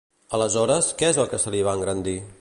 Aleshores, què és el que se li va engrandir?